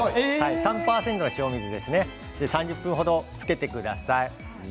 ３％の塩水に３０分程つけてください。